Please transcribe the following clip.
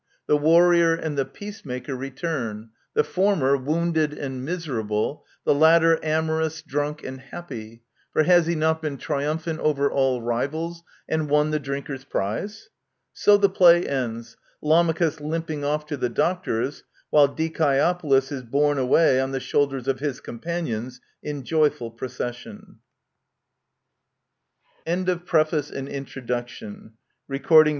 The warrior and the peacemaker return* — the former wounded and miser able, the latter amorous,, drunk, and happy; for has he not been triumphant over all rivals and won the drinker's prize ? So the play ends, Lamachus limping off to the doctor's, while Dicaeopolis is borne away on the shoulders of his companions in joyful procession.. DRAMATIS PERSONS.